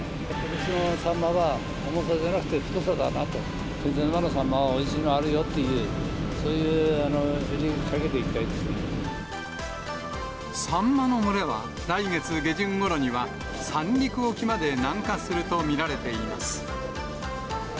気仙沼のサンマはおいしいのあるよという、そういう売りにかけてサンマの群れは、来月下旬ごろには、三陸沖まで南下すると見られています。